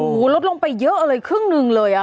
โอ้โหลดลงไปเยอะเลยครึ่งหนึ่งเลย